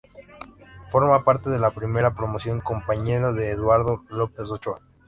Forma parte de la Primera Promoción, compañero de Eduardo López Ochoa.